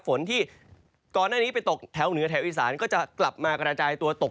ฝนที่ก่อนหน้านี้ไปตกแถวเหนือแถวอีสานก็จะกลับมากระจายตัวตก